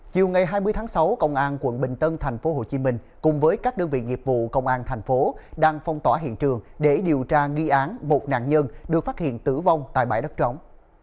chiều ngày hai mươi tháng sáu công an quận bình tân tp hcm cùng với các đơn vị nghiệp vụ công an thành phố đang phong tỏa hiện trường để điều tra nghi án một nạn nhân được phát hiện tử vong tại bãi đất trống